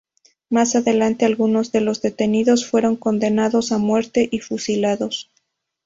Más adelante algunos de los detenidos fueron condenados a muerte y fusilados.